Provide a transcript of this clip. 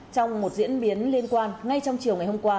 trong một diễn biến liên quan ngay trong chiều ngày hôm qua